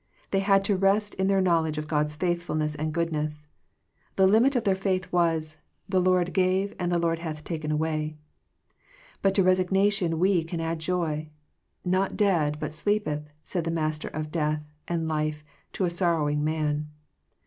They had to rest in their knowledge of God's faithfulness and goodness. The limit of their faith was, "The Lord gave, and the Lord hath taken away," But to resignation we can add joy. " Not dead, but sleepeth," said the Master of death and life to a sorrow ing man.